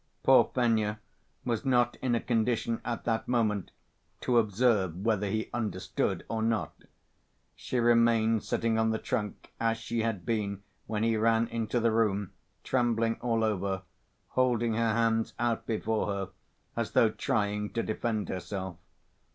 Poor Fenya was not in a condition at that moment to observe whether he understood or not. She remained sitting on the trunk as she had been when he ran into the room, trembling all over, holding her hands out before her as though trying to defend herself.